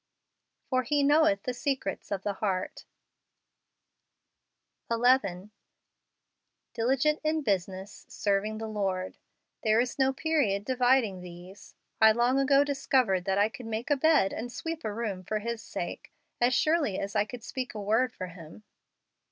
" For He knowcth the secrets of the heart ." 11. u Dilligent in business, serving the Lord.*' There is no period dividing these. I long ago discovered that I could make a bed and sweep a room for His sake, as surely as I could speak a word for Him.